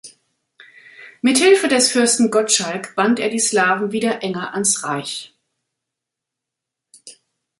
Mit Hilfe des Fürsten Gottschalk band er die Slawen wieder enger ans Reich.